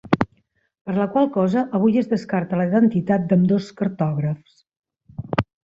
Per la qual cosa avui es descarta la identitat d’ambdós cartògrafs.